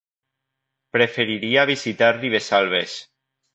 Preferiria visitar Ribesalbes.